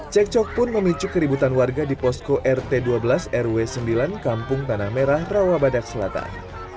cekcok pun memicu keributan warga di posko rt dua belas rw sembilan kampung tanah merah rawabadak selatan